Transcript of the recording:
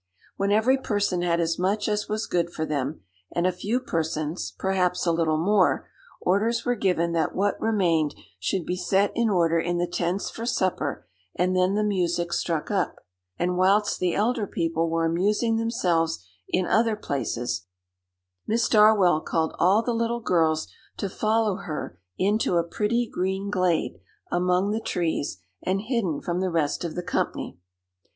When every person had as much as was good for them, and a few persons, perhaps, a little more, orders were given that what remained should be set in order in the tents for supper; and then the music struck up. And whilst the elder people were amusing themselves in other places, Miss Darwell called all the little girls to follow her into a pretty green glade among the trees, and hidden from the rest of the company.